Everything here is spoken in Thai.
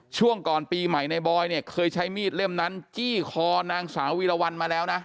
ช่วงก่อนปีใหม่ในบอยเนี่ยเคยใช้มีดเล่มนั้นจี้คอนางสาววีรวรรณมาแล้วนะ